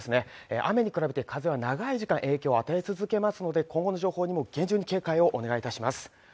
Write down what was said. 雨に比べて風は長い時間影響を与え続けますので今後の情報にも厳重に警戒をお願いいたします